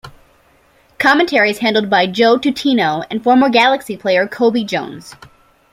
Commentary is handled by Joe Tutino and former Galaxy player Cobi Jones.